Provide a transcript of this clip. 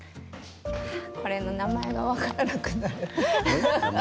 名前が分からなくなる。